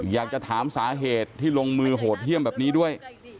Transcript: อยากจะถามสาเหตุที่ลงมือโหดเยี่ยมแบบนี้ด้วย